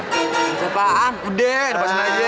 gak ada apa apaan udah udah pasang aja